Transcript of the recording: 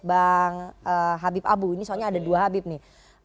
bang habib abu ini soalnya ada dua habib nih